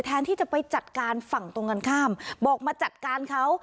ที่จะไปจัดการฝั่งตรงกันข้ามบอกมาจัดการเขา